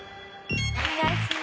お願いします。